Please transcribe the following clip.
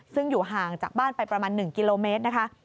ซึ่งอยู่ห่างจากบ้านไปประมาณ๑กิโลเมตรนะคะ